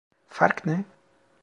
Fark ne?